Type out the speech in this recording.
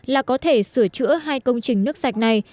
là có thể sửa chữa hai công trình nước sạch này